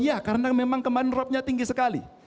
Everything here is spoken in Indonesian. ya karena memang kemanropnya tinggi sekali